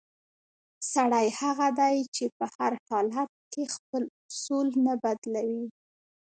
سړی هغه دی چې په هر حالت کې خپل اصول نه بدلوي.